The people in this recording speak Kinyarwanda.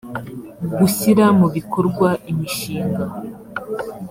gushyira mu bikorwa imishinga